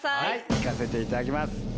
引かせていただきます